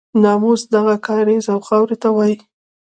ناموس دغه کاریز او خاورې ته وایي.